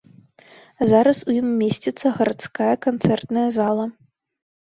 Зараз у ім месціцца гарадская канцэртная зала.